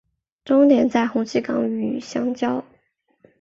终点在红旗岗与相交。